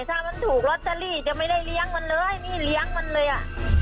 ถ้ามันถูกลอตเตอรี่จะไม่ได้เลี้ยงมันเลยนี่เลี้ยงมันเลยอ่ะ